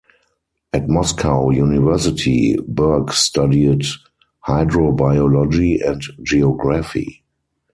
At Moscow University, Berg studied hydrobiology and geography.